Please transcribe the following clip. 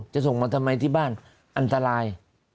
จะส่งมาทำไมที่บ้านอันตราย